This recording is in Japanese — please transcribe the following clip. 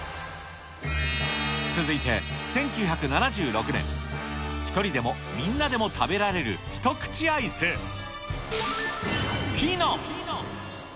続いて１９７６年、１人でも、みんなでも食べられる一口アイス、ピノ。